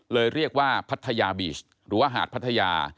เรียกว่าพัทยาบีชหรือว่าหาดพัทยา